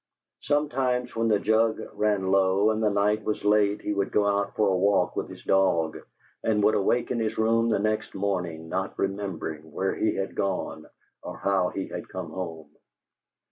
Sometimes when the jug ran low and the night was late he would go out for a walk with his dog, and would awake in his room the next morning not remembering where he had gone or how he had come home.